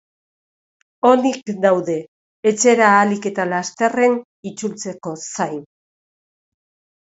Onik daude, etxera ahalik eta lasterren itzultzeko zain.